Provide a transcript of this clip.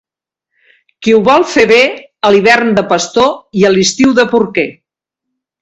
Qui ho vol fer bé, a l'hivern de pastor i a l'estiu de porquer.